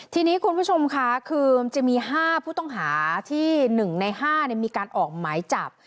ทีนี้คุณผู้ชมค่ะคือมันจะมี๕ผู้ต้องหาที่๑ใน๕มีการออกหมายจับ